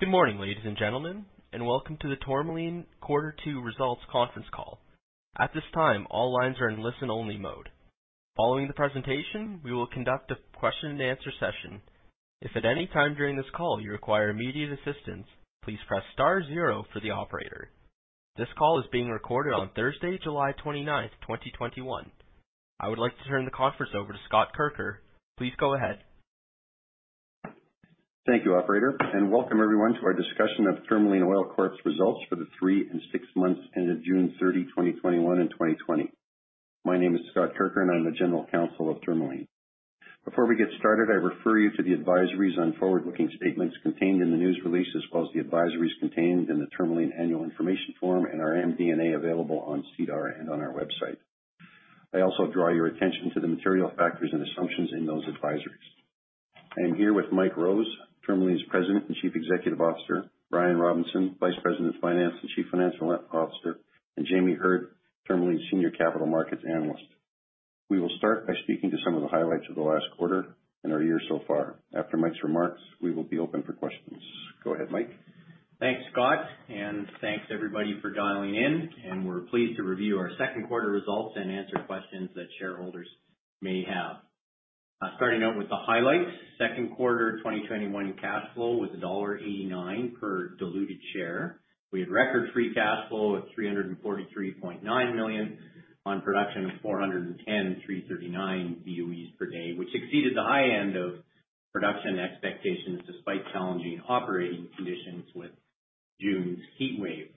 Good morning, ladies and gentlemen, and welcome to the Tourmaline Quarter Two Results Conference Call. At this time, all lines are in listen-only mode. Following the presentation, we will conduct a question and answer session. If at any time during this call you require immediate assistance, please press star zero for the operator. This call is being recorded on Thursday, July 29th, 2021. I would like to turn the conference over to Scott Kirker. Please go ahead. Thank you, operator, welcome everyone to our discussion of Tourmaline Oil Corp.'s results for the three and six months ended June 30, 2021 and 2020. My name is Scott Kirker, I'm the General Counsel of Tourmaline. Before we get started, I refer you to the advisories on forward-looking statements contained in the news release, as well as the advisories contained in the Tourmaline annual information form and our MD&A available on SEDAR and on our website. I also draw your attention to the material factors and assumptions in those advisories. I am here with Mike Rose, Tourmaline's President and Chief Executive Officer, Brian Robinson, Vice President of Finance and Chief Financial Officer, and Jamie Heard, Tourmaline's Senior Capital Markets Analyst. We will start by speaking to some of the highlights of the last quarter and our year so far. After Mike's remarks, we will be open for questions. Go ahead, Mike. Thanks, Scott. Thanks everybody for dialing in. We are pleased to review our second quarter results and answer questions that shareholders may have. Starting out with the highlights. Second quarter 2021 cash flow was dollar 1.89 per diluted share. We had record free cash flow of 343.9 million on production of 410,339 BOEs per day, which exceeded the high end of production expectations despite challenging operating conditions with June's heat wave.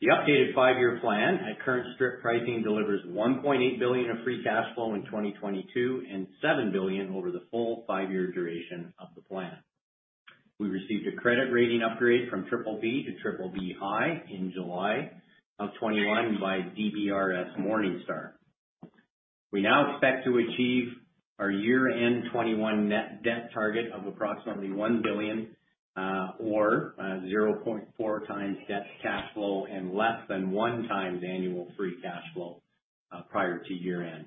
The updated five-year plan at current strip pricing delivers 1.8 billion of free cash flow in 2022 and 7 billion over the full five-year duration of the plan. We received a credit rating upgrade from BBB to BBB (high) in July of 2021 by DBRS Morningstar. We now expect to achieve our year-end 2021 net debt target of approximately 1 billion, or 0.4x debt to cash flow and less than 1x annual free cash flow, prior to year end.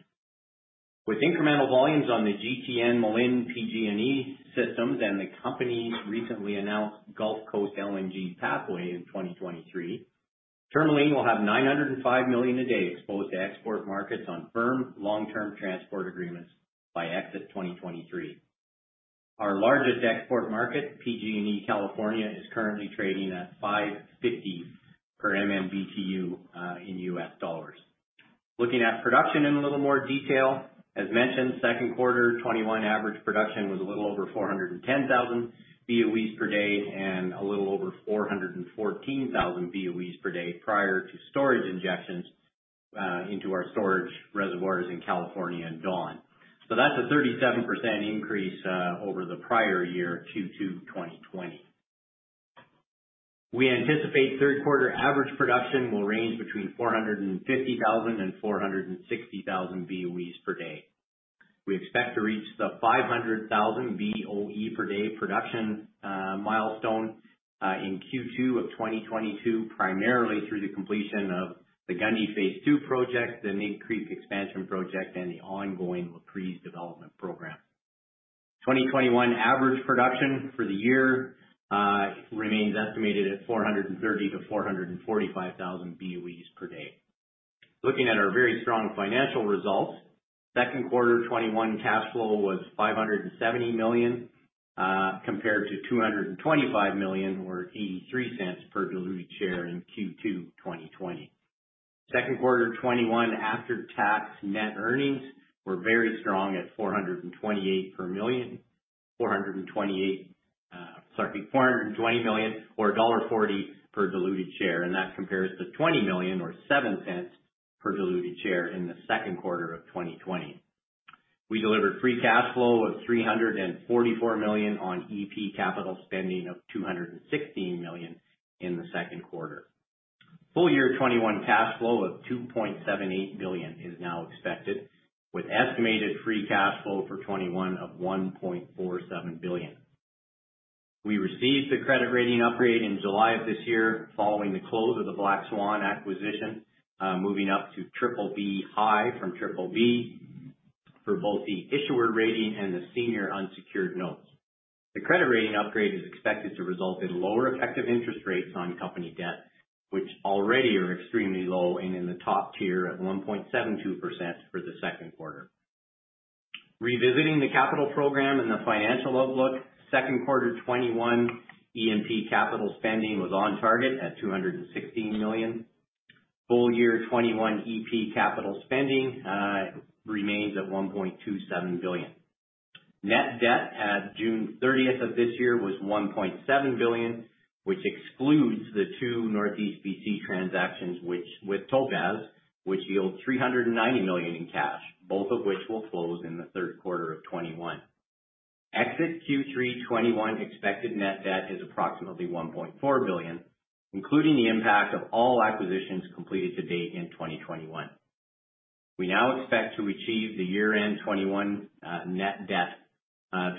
With incremental volumes on the GTN, Malin, PG&E systems and the company's recently announced Gulf Coast LNG pathway in 2023, Tourmaline will have 905 million a day exposed to export markets on firm long-term transport agreements by exit 2023. Our largest export market, PG&E California, is currently trading at $5.50 per MMBtu, in US dollars. Looking at production in a little more detail. As mentioned, second quarter 2021 average production was a little over 410,000 BOEs per day and a little over 414,000 BOEs per day prior to storage injections, into our storage reservoirs in California and Dawn. That's a 37% increase over the prior year, Q2 2020. We anticipate third quarter average production will range between 450,000 and 460,000 BOEs per day. We expect to reach the 500,000 BOE per day production milestone in Q2 of 2022, primarily through the completion of the Gundy Phase 2 project, the Mink Creek expansion project, and the ongoing Laprise development program. 2021 average production for the year remains estimated at 430,000-445,000 BOEs per day. Looking at our very strong financial results. Second quarter 2021 cash flow was 570 million, compared to 225 million or 0.83 per diluted share in Q2 2020. Second quarter 2021 after-tax net earnings were very strong at 428 million. 428 million. Sorry. 420 million or dollar 1.40 per diluted share, and that compares to 20 million or 0.07 per diluted share in the second quarter of 2020. We delivered free cash flow of 344 million on E&P capital spending of 216 million in the second quarter. Full year 2021 cash flow of 2.78 billion is now expected, with estimated free cash flow for 2021 of 1.47 billion. We received the credit rating upgrade in July of this year following the close of the Black Swan Energy Ltd acquisition, moving up to BBB (high) from BBB for both the issuer rating and the senior unsecured notes. The credit rating upgrade is expected to result in lower effective interest rates on company debt, which already are extremely low and in the top tier at 1.27% for the second quarter. Revisiting the capital program and the financial outlook, second quarter 2021 E&P capital spending was on target at 216 million. Full year 2021 E&P capital spending remains at 1.27 billion. Net debt at June 30th of this year was 1.7 billion, which excludes the two Northeast B.C. transactions with Topaz, which yield 390 million in cash, both of which will close in the third quarter of 2021. Exit Q3 2021 expected net debt is approximately 1.4 billion, including the impact of all acquisitions completed to date in 2021. We now expect to achieve the year-end 2021 net debt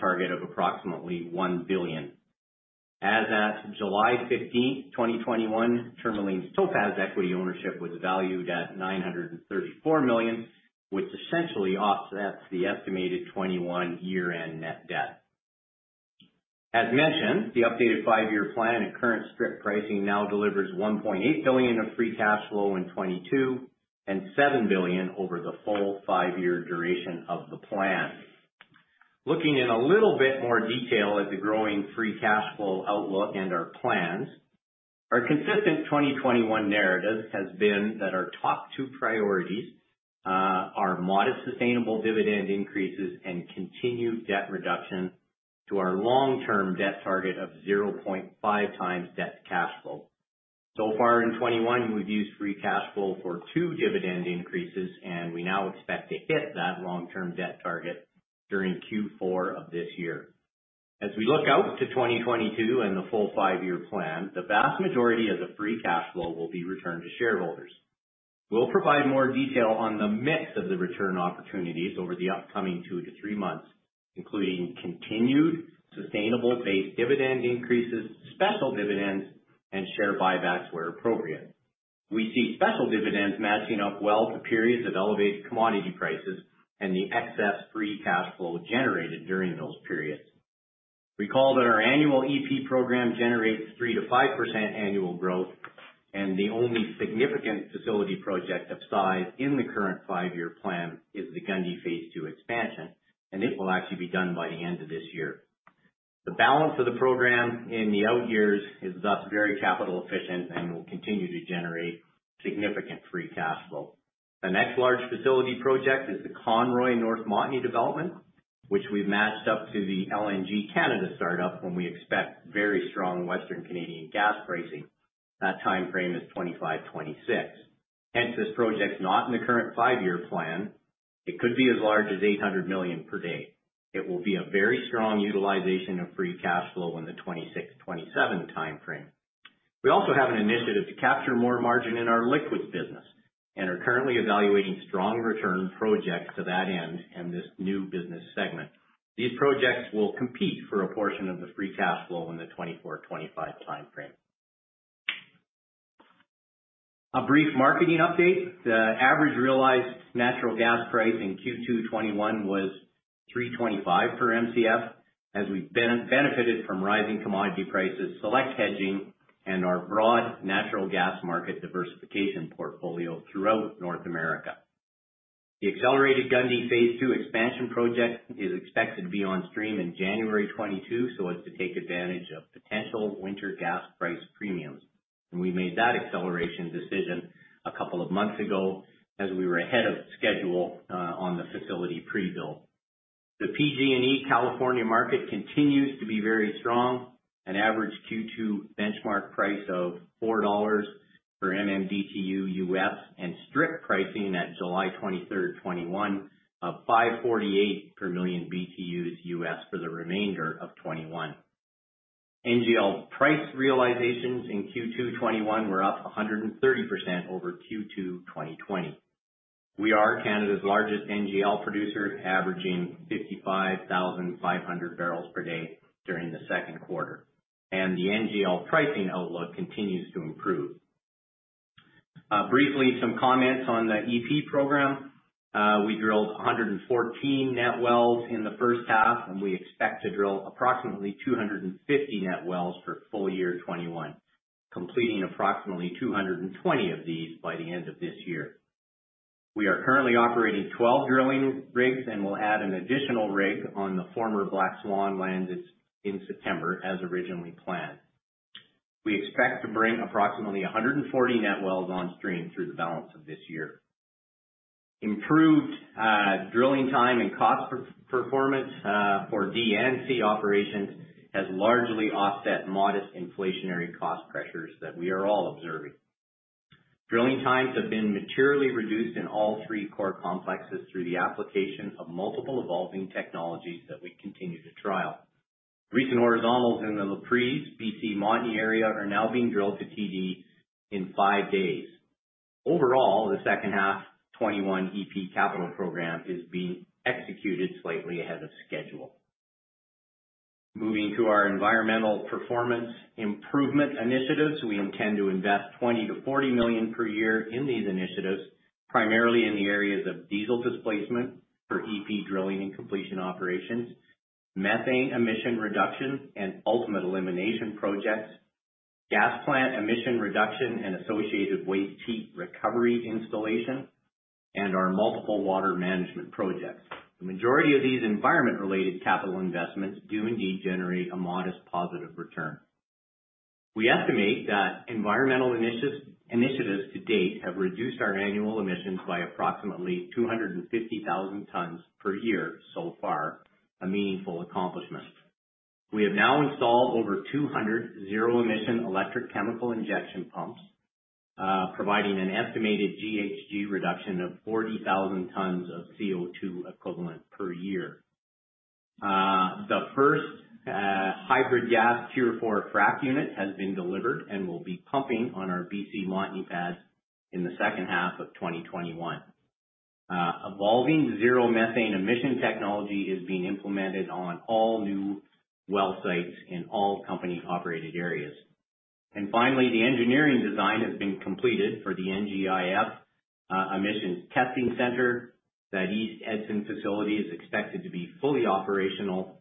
target of approximately 1 billion. As at July 15, 2021, Tourmaline's Topaz equity ownership was valued at 934 million, which essentially offsets the estimated 2021 year-end net debt. As mentioned, the updated five-year plan at current strip pricing now delivers 1.8 billion of free cash flow in 2022 and 7 billion over the full five-year duration of the plan. Looking in a little bit more detail at the growing free cash flow outlook and our plans, our consistent 2021 narrative has been that our top two priorities are modest sustainable dividend increases and continued debt reduction to our long-term debt target of 0.5x debt to cash flow. So far in 2021, we've used free cash flow for two dividend increases, and we now expect to hit that long-term debt target during Q4 of this year. As we look out to 2022 and the full five-year plan, the vast majority of the free cash flow will be returned to shareholders. We'll provide more detail on the mix of the return opportunities over the upcoming two to three months, including continued sustainable base dividend increases, special dividends, and share buybacks where appropriate. We see special dividends matching up well to periods of elevated commodity prices and the excess free cash flow generated during those periods. Recall that our annual E&P program generates 3%-5% annual growth, and the only significant facility project of size in the current five-year plan is the Gundy Phase 2 expansion, and it will actually be done by the end of this year. The balance of the program in the out years is thus very capital efficient and will continue to generate significant free cash flow. The next large facility project is the Conroy North Montney development, which we've matched up to the LNG Canada startup when we expect very strong Western Canadian gas pricing. That timeframe is 2025, 2026. Hence, this project's not in the current five-year plan. It could be as large as 800 million per day. It will be a very strong utilization of free cash flow in the 2026, 2027 timeframe. We also have an initiative to capture more margin in our liquids business and are currently evaluating strong return projects to that end in this new business segment. These projects will compete for a portion of the free cash flow in the 2024, 2025 timeframe. A brief marketing update. The average realized natural gas price in Q2 2021 was 3.25 per Mcf as we benefited from rising commodity prices, select hedging, and our broad natural gas market diversification portfolio throughout North America. The accelerated Gundy Phase 2 expansion project is expected to be on stream in January 2022 so as to take advantage of potential winter gas price premiums. We made that acceleration decision a couple of months ago as we were ahead of schedule on the facility pre-build. The PG&E California market continues to be very strong. An average Q2 benchmark price of $4 per MMBtu U.S. and strip pricing at July 23rd, 2021, of $5.48 per MMBtu U.S. for the remainder of 2021. NGL price realizations in Q2 2021 were up 130% over Q2 2020. We are Canada's largest NGL producer, averaging 55,500 barrels per day during the second quarter, and the NGL pricing outlook continues to improve. Briefly, some comments on the E&P program. We drilled 114 net wells in the first half, and we expect to drill approximately 250 net wells for full year 2021, completing approximately 220 of these by the end of this year. We are currently operating 12 drilling rigs and will add an additional rig on the former Black Swan lands in September as originally planned. We expect to bring approximately 140 net wells on stream through the balance of this year. Improved drilling time and cost performance for D&C operations has largely offset modest inflationary cost pressures that we are all observing. Drilling times have been materially reduced in all three core complexes through the application of multiple evolving technologies that we continue to trial. Recent horizontals in the Laprise B.C. Montney area are now being drilled to TD in five days. Overall, the second half 2021 E&P capital program is being executed slightly ahead of schedule. Moving to our environmental performance improvement initiatives. We intend to invest 20 million-40 million per year in these initiatives, primarily in the areas of diesel displacement for E&P drilling and completion operations, methane emission reduction and ultimate elimination projects, gas plant emission reduction and associated waste heat recovery installation, and our multiple water management projects. The majority of these environment-related capital investments do indeed generate a modest positive return. We estimate that environmental initiatives to date have reduced our annual emissions by approximately 250,000 tons per year so far, a meaningful accomplishment. We have now installed over 200 zero-emission electric chemical injection pumps, providing an estimated GHG reduction of 40,000 tons of CO2 equivalent per year. The first hybrid gas Tier IV frac unit has been delivered and will be pumping on our B.C. Montney pads in the second half of 2021. Evolving zero methane emission technology is being implemented on all new well sites in all company-operated areas. Finally, the engineering design has been completed for the NGIF Emissions Testing Center. That East Edson facility is expected to be fully operational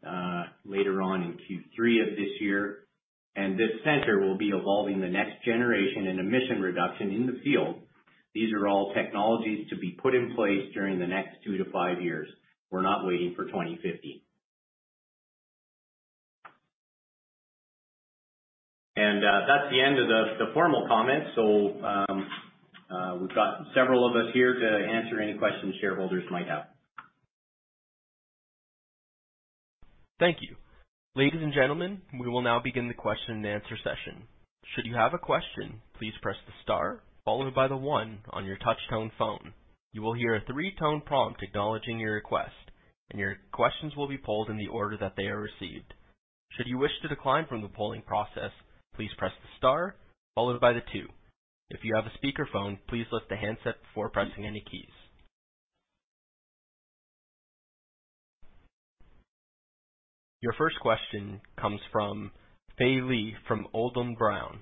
later on in Q3 of this year. This center will be evolving the next generation in emission reduction in the field. These are all technologies to be put in place during the next two to five years. We're not waiting for 2050. That's the end of the formal comments. We've got several of us here to answer any questions shareholders might have. Thank you. Ladies and gentlemen, we will now begin the question and answer session. Should you have a question, please press the star, followed by the one on your touchtone phone. You will hear a three-tone prompt acknowledging your request and your questions will be pulled in the order that they are received. Should you wish to decline from the polling process, please press the star, followed by the two. If you have a speaker phone, please list the handset before purchasing any keys. Your first question comes from Fai Lee from Odlum Brown. Hi, it's Fai Lee here.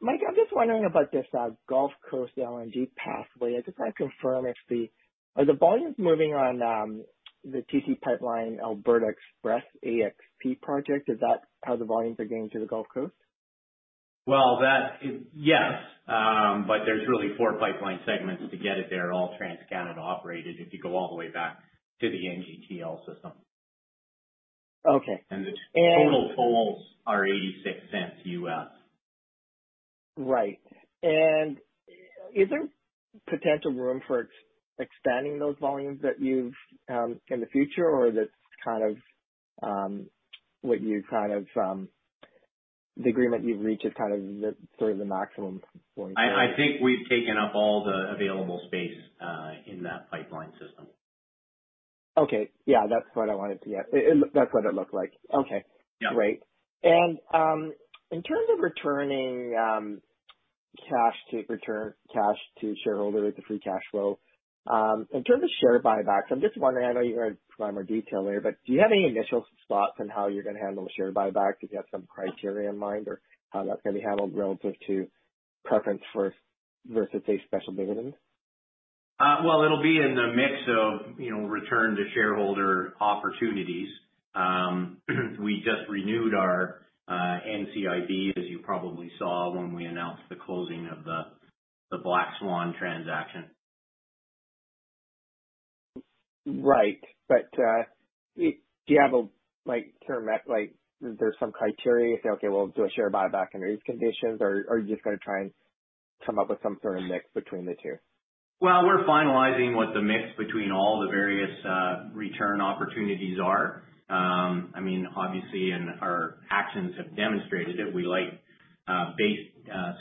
Mike, I'm just wondering about this Gulf Coast LNG pathway. I just want to confirm, are the volumes moving on the TC pipeline, Alberta XPress AXP project? Is that how the volumes are getting to the Gulf Coast? Well, yes. There's really four pipeline segments to get it there, all TransCanada operated, if you go all the way back to the NGTL system. Okay. The total tolls are $0.86. Right. Is there potential room for expanding those volumes in the future, or the agreement you've reached is sort of the maximum for you guys? I think we've taken up all the available space in that pipeline system. Okay. Yeah, that's what it looked like. Okay. Yeah. Great. In terms of returning cash to shareholders, the free cash flow. In terms of share buybacks, I'm just wondering, I know you're going to provide more detail later, but do you have any initial thoughts on how you're going to handle the share buyback? Do you have some criteria in mind or how that's going to be handled relative to preference versus, say, special dividends? Well, it'll be in the mix of return to shareholder opportunities. We just renewed our NCIB, as you probably saw when we announced the closing of the Black Swan transaction. Is there some criteria? You say, okay, we'll do a share buyback under these conditions, or are you just going to try and come up with some sort of mix between the two? Well, we're finalizing what the mix between all the various return opportunities are. Obviously, our actions have demonstrated it, we like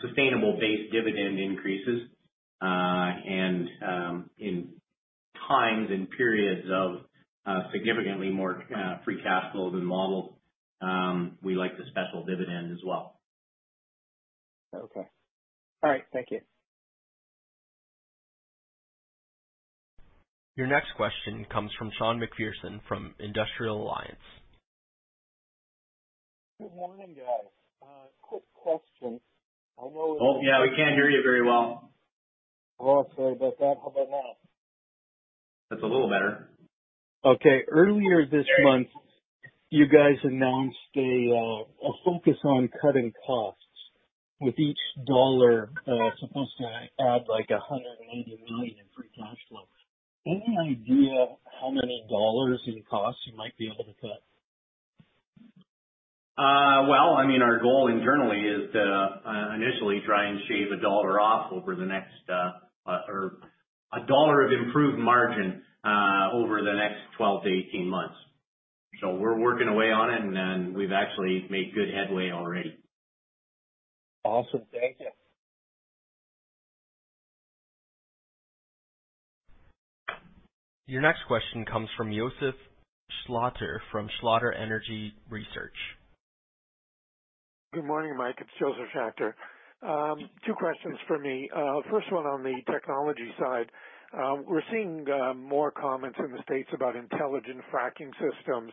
sustainable base dividend increases. In times and periods of significantly more free cash flow than modeled, we like the special dividend as well. Okay. All right. Thank you. Your next question comes from Sean McPherson from Industrial Alliance. Good morning, guys. Quick question. Oh, yeah, we can't hear you very well. Oh, sorry about that. How about now? That's a little better. Okay. Earlier this month, you guys announced a focus on cutting costs with each dollar supposed to add like 180 million in free cash flow. Any idea how many dollars in costs you might be able to cut? Well, our goal internally is to initially try and shave CAD 1 off, or CAD 1 of improved margin over the next 12-18 months. We're working away on it, and we've actually made good headway already. Awesome. Thank you. Your next question comes from Josef Schachter from Schachter Energy Research. Good morning, Mike. It's Josef Schachter. Two questions from me. First of all, on the technology side. We're seeing more comments in the States about intelligent fracking systems.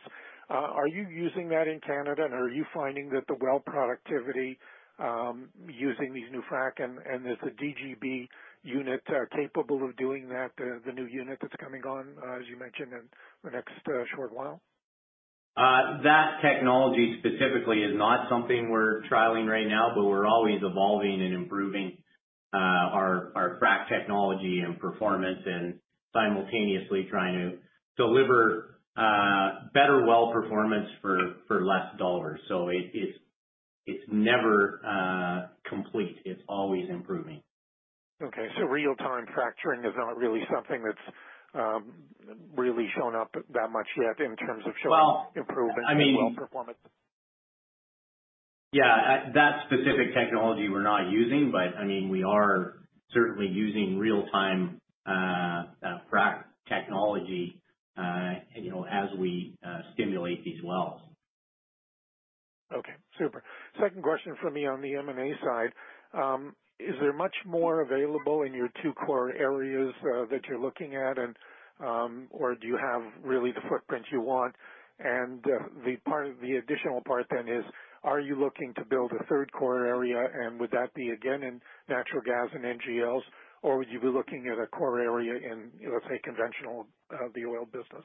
Are you using that in Canada, and are you finding that the well productivity using these new frack and is the DGB unit capable of doing that, the new unit that's coming on, as you mentioned, in the next short while? That technology specifically is not something we're trialing right now, we're always evolving and improving our frack technology and performance and simultaneously trying to deliver better well performance for less dollars. It's never complete. It's always improving. Okay, real-time fracturing is not really something that's really shown up that much yet in terms of showing improvement in well performance. Yeah. That specific technology we're not using, but we are certainly using real-time frack technology as we stimulate these wells. Okay, super. Second question for me on the M&A side, is there much more available in your two core areas that you're looking at? Do you have really the footprint you want? The additional part is, are you looking to build a third core area, and would that be again in natural gas and NGLs, or would you be looking at a core area in, let's say, conventional the oil business?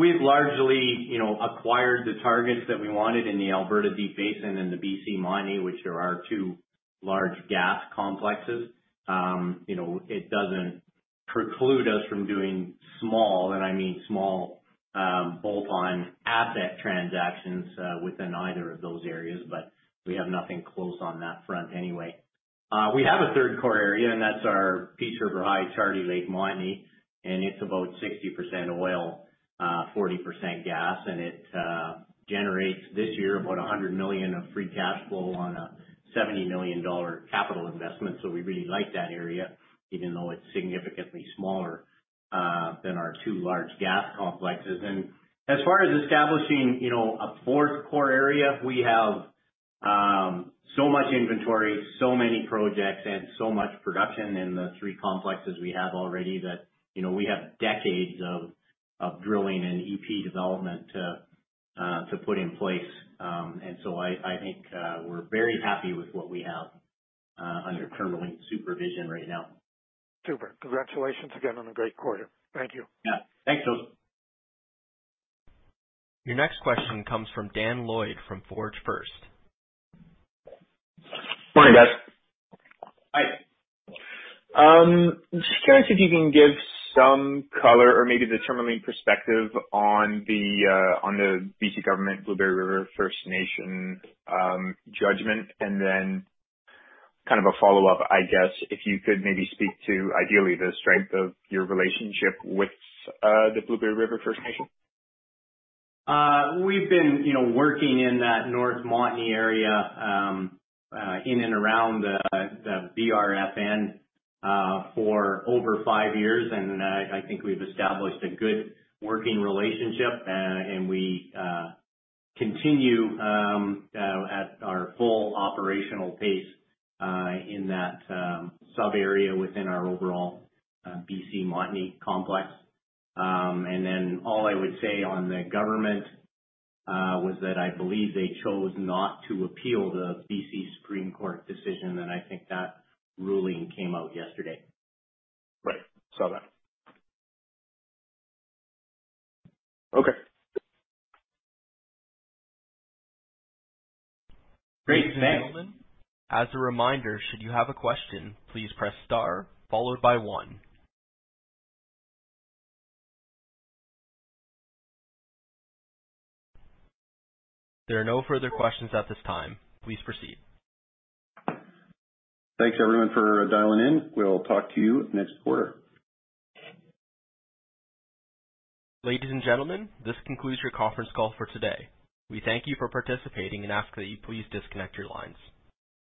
We've largely acquired the targets that we wanted in the Alberta Deep Basin and the B.C Montney, which are our two large gas complexes. It doesn't preclude us from doing small, and I mean small, bolt-on asset transactions within either of those areas, but we have nothing close on that front anyway. We have a third core area, and that's our Peace River High Charlie Lake Montney, and it's about 60% oil, 40% gas, and it generates this year about 100 million of free cash flow on a 70 million dollar capital investment. We really like that area, even though it's significantly smaller than our two large gas complexes. As far as establishing a 4th core area, we have so much inventory, so many projects and so much production in the three complexes we have already that we have decades of drilling and E&P development to put in place. I think we're very happy with what we have under Tourmaline supervision right now. Super. Congratulations again on a great quarter. Thank you. Thanks, Josef. Your next question comes from Dan Lloyd from Forge First. Morning, guys. Hi. Just curious if you can give some color or maybe the Tourmaline perspective on the B.C. government Blueberry River First Nations judgment. Then kind of a follow-up, I guess if you could maybe speak to ideally the strength of your relationship with the Blueberry River First Nations. We've been working in that North Montney area, in and around the BRFN for over five years, and I think we've established a good working relationship. We continue at our full operational pace in that subarea within our overall B.C Montney complex. All I would say on the government was that I believe they chose not to appeal the B.C Supreme Court decision, and I think that ruling came out yesterday. Right. Saw that. Okay. Great. Thanks. As a reminder, should you have a question, please press star followed by one. There are no further questions at this time. Please proceed. Thanks everyone for dialing in. We'll talk to you next quarter. Ladies and gentlemen, this concludes your conference call for today. We thank you for participating and ask that you please disconnect your lines.